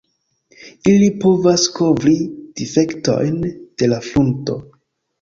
Ili povas kovri difektojn de la frunto.